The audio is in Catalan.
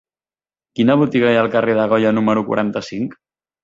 Quina botiga hi ha al carrer de Goya número quaranta-cinc?